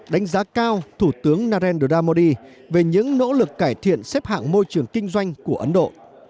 đánh giá cao thủ tướng narendra modi về những nỗ lực cải thiện xếp hạng môi trường kinh doanh của ấn độ